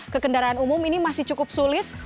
kekendaraan umum ini masih cukup sulit